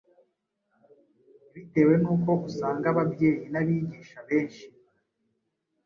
Bitewe n’uko usanga ababyeyi n’abigisha benshi